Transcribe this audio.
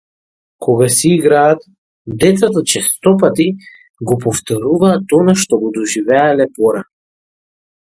Кога си играат, децата честопати го повторуваат она што го доживеале порано.